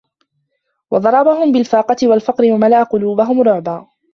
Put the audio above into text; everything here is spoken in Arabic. وَضَرَبَهُمْ بِالْفَاقَةِ وَالْفَقْرِ وَمَلَأَ قُلُوبَهُمْ رُعْبًا